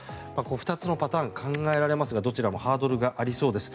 ２つのパターンが考えられますがどちらもハードルがありそうです。